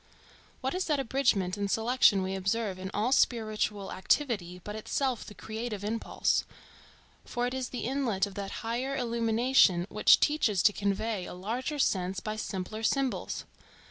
What is that abridgment and selection we observe in all spiritual activity, but itself the creative impulse? for it is the inlet of that higher illumination which teaches to convey a larger sense by simpler symbols.